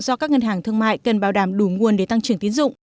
do các ngân hàng thương mại cần bảo đảm đủ nguồn để tăng trưởng tiến dụng